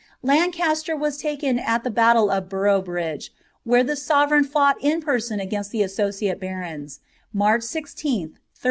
Lancaster was taken at the battle of Boroughbridge, where the sove ngn fought in person against the associate barons, March 16th, 1322.